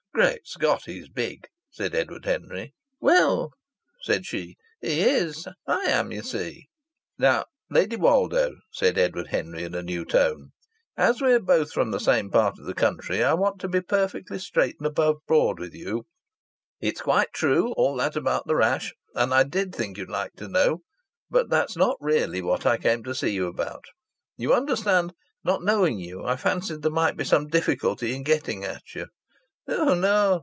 "Great Scott! He's big!" said Edward Henry. "Well," said she, "he is. I am, you see." "Now, Lady Woldo," said Edward Henry in a new tone, "as we're both from the same part of the country I want to be perfectly straight and above board with you. It's quite true all that about the rash. And I did think you'd like to know. But that's not really what I came to see you about. You understand, not knowing you, I fancied there might be some difficulty in getting at you " "Oh! no!"